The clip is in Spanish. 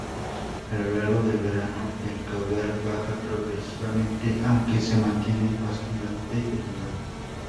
A lo largo del verano el caudal baja progresivamente aunque se mantiene bastante elevado.